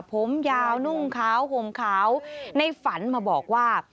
ผมยาวนุ่งขาวห่มขาวในฝันมาบอกว่า